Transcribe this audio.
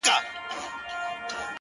• د نيولو په تكل به زوړ او ځوان سو,